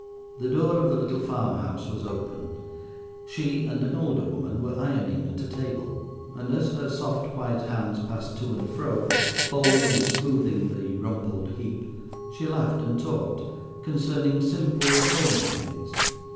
The door of the little farmhouse was open; she and an older woman were ironing at a table, and as her soft white hands passed to and fro, folding and smoothing the rumpled heap, she laughed and talked, concerning simple homely things.